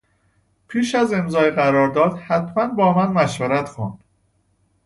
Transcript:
پیش از امضای قرارداد حتما با من مشورت کن.